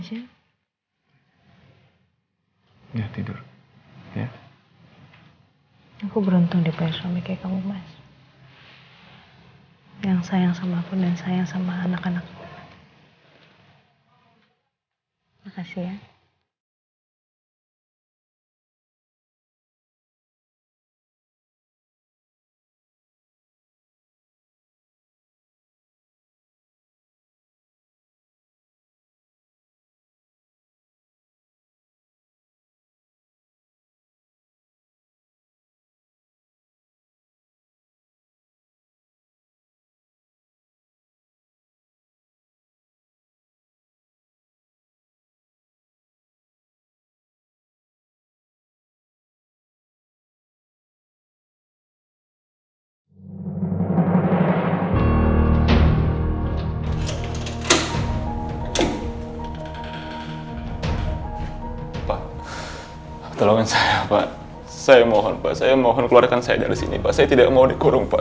saya mohon keluarkan saya dari sini